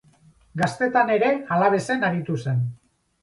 Gaztetan ere Alavesen aritu zen.